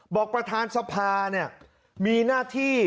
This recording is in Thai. บอกประธานทรัพย์เนี่ยมีหน้าที่